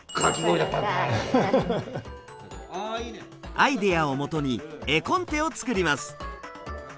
アイデアをもとに絵コンテを作ります。